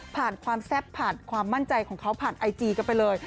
ความแซ่บผ่านความมั่นใจของเขาผ่านไอจีกันไปเลย